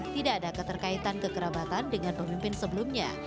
tidak ada keterkaitan kekerabatan dengan pemimpin sebelumnya